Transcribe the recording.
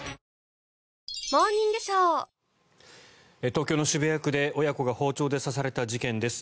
東京の渋谷区で親子が包丁で刺された事件です。